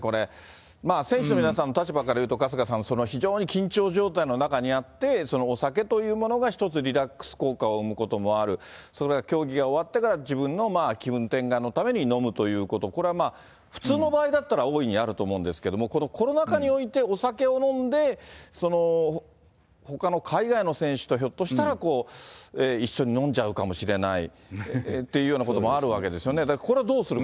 まあ選手の皆さんの立場からいうと、春日さん、非常に緊張状態の中にあって、お酒というものが、一つ、リラックス効果を生むこともある、それから競技が終わってから、自分の気分転換のために飲むということ、これはまあ、普通の場合だったら大いにあると思うんですけれども、このコロナ禍において、お酒を飲んで、ほかの海外の選手と、ひょっとしたら一緒に飲んじゃうかもしれないっていうようなこともあるわけですよね。